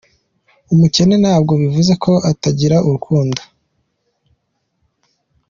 Umukene ntabwo bivuze ko atagira urukundo”.